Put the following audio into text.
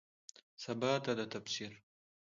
سباته ده تفسیر